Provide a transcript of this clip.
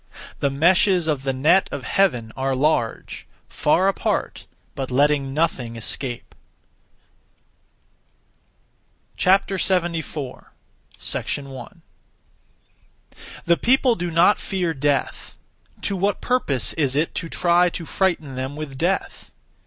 The meshes of the net of Heaven are large; far apart, but letting nothing escape. 74. 1. The people do not fear death; to what purpose is it to (try to) frighten them with death?